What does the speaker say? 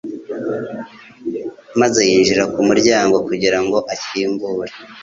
maze yinjira ku muryango kugira ngo akingure